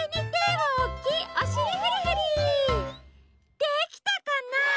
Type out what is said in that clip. できたかな？